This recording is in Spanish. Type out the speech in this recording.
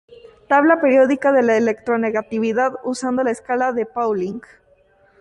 Tabla periódica de la electronegatividad usando la escala de Pauling.